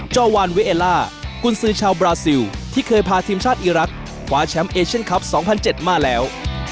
จอวานวิเอล่ากุญสือชาวบราซิลที่เคยพาทีมชาติอีรักษ์คว้าแชมป์เอเชียนคลับ๒๐๐๗มาแล้ว